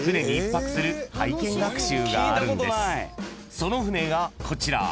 ［その船がこちら］